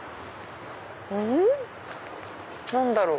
何だろう？